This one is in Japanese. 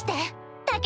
だけ